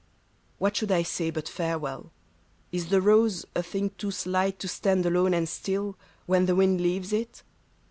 What should I say but farewell ; is the rose A thing too slight to stand alone and still When the wind leaves it